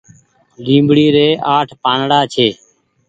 اي ليبڙي ري آٺ پآنڙآ ڇي۔